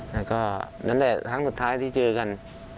แล้วก็นั่นแหละครั้งสุดท้ายที่เจอกัน